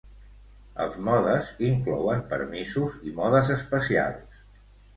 Els modes inclouen permisos i modes especials.